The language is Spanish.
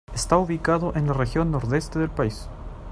Está ubicado en la región Nordeste del país.